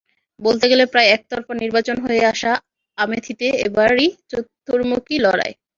বলতে গেলে প্রায় একতরফা নির্বাচন হয়ে আসা আমেথিতে এবারই চতুর্মুখী লড়াই।